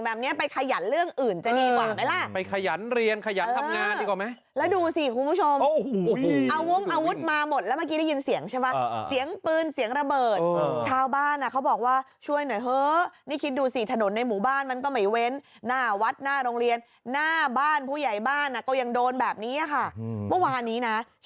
แบบนี้ไปขยันเรื่องอื่นจะดีกว่าไหมล่ะไปขยันเรียนขยันทำงานดีกว่าไหมแล้วดูสิคุณผู้ชมเอาวงอาวุธมาหมดแล้วเมื่อกี้ได้ยินเสียงใช่ไหมเสียงปืนเสียงระเบิดชาวบ้านอ่ะเขาบอกว่าช่วยหน่อยเถอะนี่คิดดูสิถนนในหมู่บ้านมันก็ไม่เว้นหน้าวัดหน้าโรงเรียนหน้าบ้านผู้ใหญ่บ้านอ่ะก็ยังโดนแบบนี้ค่ะเมื่อวานนี้นะ